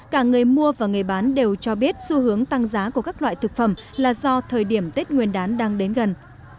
cả người mua và người bán đều cho biết xu hướng tăng giá của các loại thực phẩm là do thời điểm tết nguyên đán đang đến gần